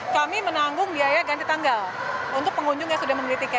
kami menanggung biaya ganti tanggal untuk pengunjung yang sudah membeli tiket